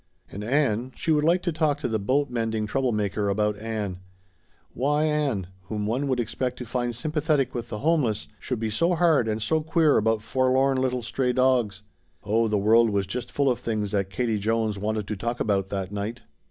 And Ann she would like to talk to the boat mending trouble maker about Ann: Why Ann, whom one would expect to find sympathetic with the homeless, should be so hard and so queer about forlorn little stray dogs. Oh the world was just full of things that Katie Jones wanted to talk about that night!